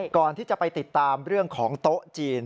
ก่อนที่จะไปติดตามเรื่องของโต๊ะจีน